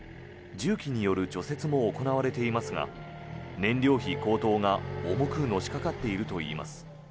重機による除雪も行われていますが燃料費高騰が重くのしかかっているといいます。